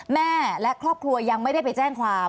แม่และครอบครัวยังไม่ได้ไปแจ้งความ